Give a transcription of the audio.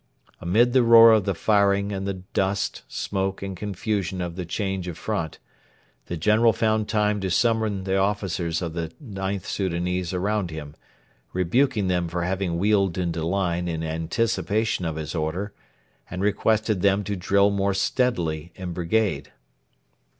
Amid the roar of the firing and the dust, smoke, and confusion of the change of front, the general found time to summon the officers of the IXth Soudanese around him, rebuked them for having wheeled into line in anticipation of his order, and requested them to drill more steadily in brigade.